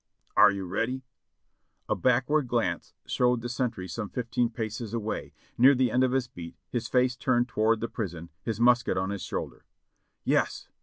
"Are you ready?" A backward glance showed the sentry some fifteen paces away, near the end of his beat, his face turned toward the prison, his musket on his shoulder. "Yes."